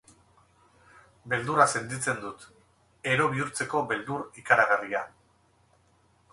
Beldurra sentitzen dut, ero bihurtzeko beldur ikaragarria.